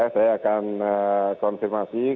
saya akan konfirmasi